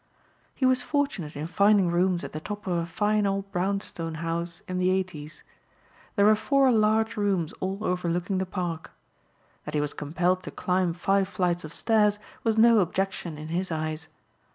He was fortunate in finding rooms at the top of a fine old brownstone house in the eighties. There were four large rooms all overlooking the Park. That he was compelled to climb five flights of stairs was no objection in his eyes.